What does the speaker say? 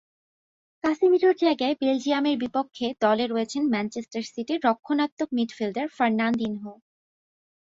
কাসেমিরোর জায়গায় বেলজিয়ামের বিপক্ষে দলে রয়েছেন ম্যানচেস্টার সিটির রক্ষণাত্মক মিডফিল্ডার ফার্নান্দিনহো।